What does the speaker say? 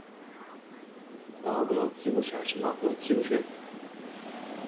تو بلوچی گوش ئے۔ شما بلوچی گوش اِت۔